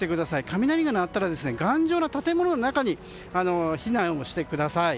雷が鳴ったら、頑丈な建物の中に避難をしてください。